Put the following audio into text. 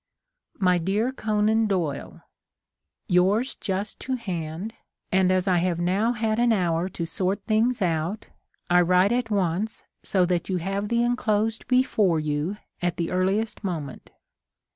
My dear Conan Doyle, Yours just to hand, and as I have now had an hour to sort things out I write at once so that you have the enclosed before you at the earliest moment.